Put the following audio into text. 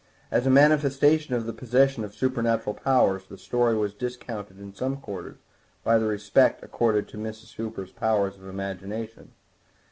As a manifestation of the possession of supernatural powers, the story was discounted in some quarters by the respect accorded to Mrs. Hoops' powers of imagination.